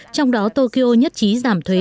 trong đó tokyo nhất trí giảm thuế